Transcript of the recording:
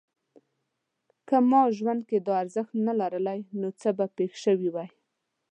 که ما ژوند کې دا ارزښت نه لرلای نو څه به پېښ شوي وای؟